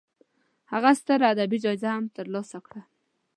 هغه ستره ادبي جایزه هم تر لاسه کړه.